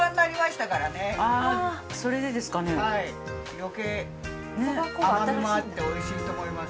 余計甘みもあっておいしいと思います。